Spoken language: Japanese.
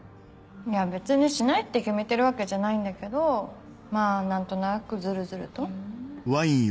いや別にしないって決めてるわけじゃないんだけどまぁ何となくずるずると。